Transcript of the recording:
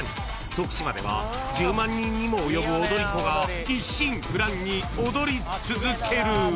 徳島では１０万人にも及ぶ踊り子が一心不乱に踊り続ける］